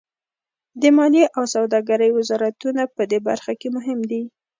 د مالیې او سوداګرۍ وزارتونه پدې برخه کې مهم دي